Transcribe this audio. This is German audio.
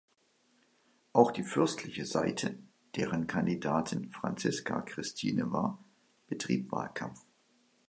Auch die fürstliche Seite, deren Kandidatin Franziska Christine war, betrieb Wahlkampf.